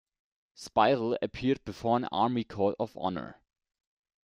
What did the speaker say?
Speidel appeared before an Army court of honour.